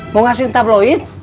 mau ngasih tabloid